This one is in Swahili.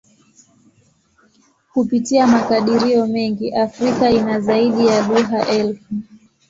Kupitia makadirio mengi, Afrika ina zaidi ya lugha elfu.